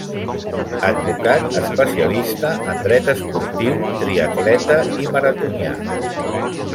Advocat especialista en Dret esportiu, triatleta i maratonià.